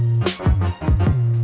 lagian kan ntar lo ada kelas